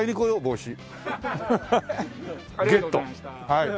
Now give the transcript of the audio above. はい。